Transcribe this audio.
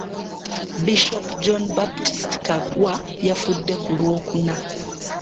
Bishop John Baptist Kaggwa yafudde ku Lwookuna.